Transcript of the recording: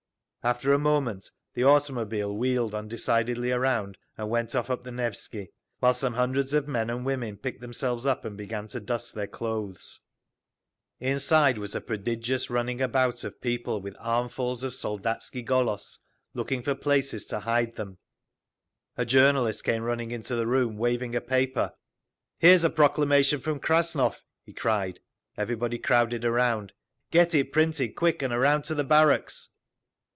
After a moment the automobile wheeled undecidedly around and went off up the Nevsky, while some hundreds of men and women picked themselves up and began to dust their clothes…. Inside was a prodigious running about of people with armfuls of Soldatski Golos, looking for places to hide them…. A journalist came running into the room, waving a paper. "Here's a proclamation from Krasnov!" he cried. Everybody crowded around. "Get it printed—get it printed quick, and around to the barracks!"